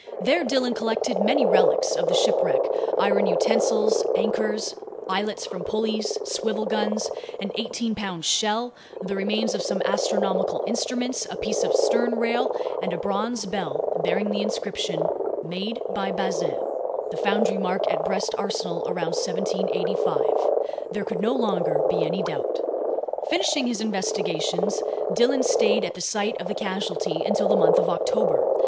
There Dillon collected many relics of the shipwreck: iron utensils, anchors, eyelets from pulleys, swivel guns, an eighteen pound shell, the remains of some astronomical instruments, a piece of sternrail, and a bronze bell bearing the inscription "Made by Bazin," the foundry mark at Brest Arsenal around 1785. There could no longer be any doubt. Finishing his investigations, Dillon stayed at the site of the casualty until the month of October.